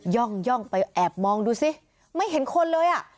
่องไปแอบมองดูสิไม่เห็นคนเลยอ่ะ